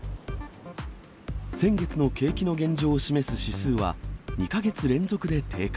先月の景気の現状を示す指数は２か月連続で低下。